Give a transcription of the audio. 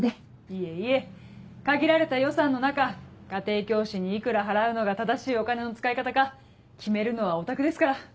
いえいえ限られた予算の中家庭教師に幾ら払うのが正しいお金の使い方か決めるのはおたくですから。